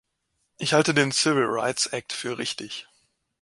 Ich halte den Civil Rights Act für richtig.